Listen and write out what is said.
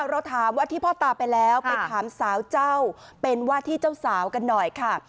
เราถามว่าที่พ่อตาไปแล้วไปถามสาวเจ้าเป็นว่าที่เจ้าสาวกันหน่อยค่ะ